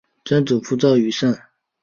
曾祖父赵愈胜。